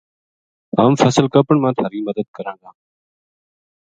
ہم فصل کپن ما تھاری مدد کراں گا